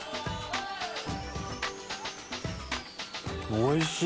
おいしい！